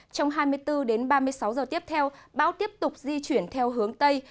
trong hai mươi bốn đến ba mươi sáu giờ tiếp theo bão tiếp tục di chuyển theo hướng tây